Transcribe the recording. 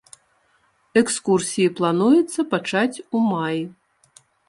Экскурсіі плануецца пачаць у маі.